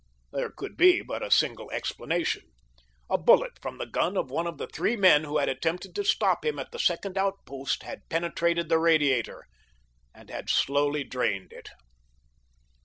There could be but a single explanation. A bullet from the gun of one of the three men who had attempted to stop him at the second outpost had penetrated the radiator, and had slowly drained it.